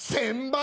１，０００倍！？